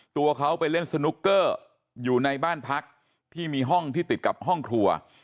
ตัวเขาไปเล่นสนุกเกอร์อยู่ในบ้านพักที่มีห้องที่ติดกับห้องครัว